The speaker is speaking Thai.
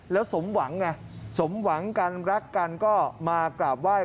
แล้วสมหวังกันรักกันก็มากลับไหว้